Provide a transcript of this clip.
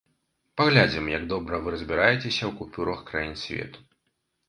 Паглядзім, як добра вы разбіраецеся ў купюрах краін свету.